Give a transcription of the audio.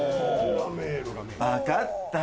わかった！